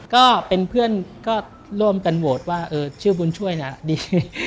ก็เป็นเพื่อนก็ร่วมกันโหวตว่าชื่อบุญช่วยน่ะดี